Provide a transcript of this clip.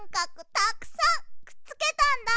たくさんくっつけたんだ。